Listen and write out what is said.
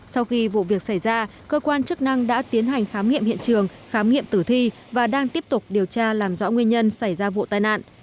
sau khi vụ việc xảy ra cơ quan chức năng đã tiến hành khám nghiệm hiện trường khám nghiệm tử thi và đang tiếp tục điều tra làm rõ nguyên nhân xảy ra vụ tai nạn